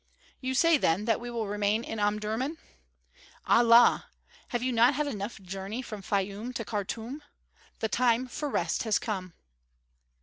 "You say then that we will remain in Omdurmân?" "Allah! Have you not had enough in the journey from Fayûm to Khartûm? The time for rest has come."